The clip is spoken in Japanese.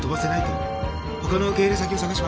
他の受け入れ先を探します。